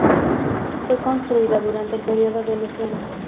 Fue construida durante el período veneciano.